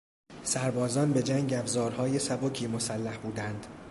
سربازان به جنگ افزارهای سبکی مسلح بودند.